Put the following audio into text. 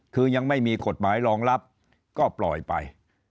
คือยังไม่มีกฎหมายรองรับก็ปล่อยไป